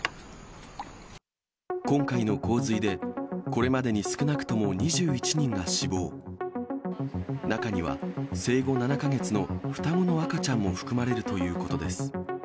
今回の洪水で、これまでに少なくとも２１人が死亡、中には、生後７か月の双子の赤ちゃんも含まれるということです。